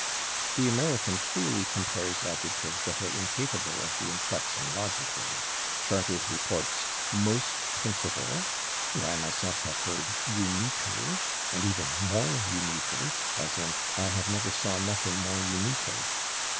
The American freely compares adjectives that are incapable of the inflection logically. Charters reports /most principal/, and I myself have heard /uniquer/ and even /more uniquer/, as in "I have never saw nothing /more uniquer